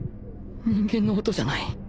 人間の音じゃない